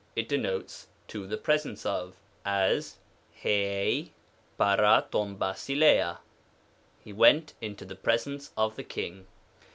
it denotes "to the presence of;" as, i]ti naqa rbv ^aac Xba, " he went into the presence of the king."